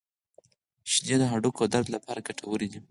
• شیدې د هډوکو د درد لپاره ګټورې دي.